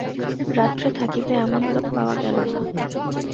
রাত্রে থাকিবে, এমন লোক পাওয়া গেল না।